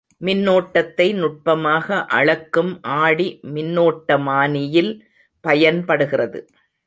மின்னோட்டத்தை நுட்பமாக அளக்கும் ஆடி மின்னோட்டமானியில் பயன்படுகிறது.